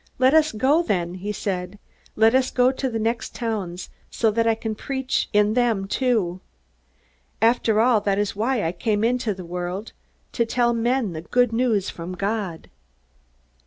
"Let us go, then," he said. "Let us go to the next towns, so that I can preach in them too. After all, that is why I came into the world to tell men the good news from God!"